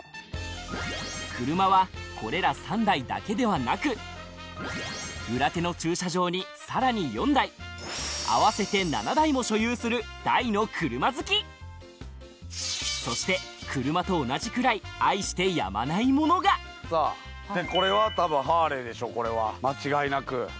車はこれら３台だけではなく裏手の駐車場にさらに４台合わせて７台も所有する大の車好きそして車と同じくらいこれは多分ハーレーでしょう間違いなく。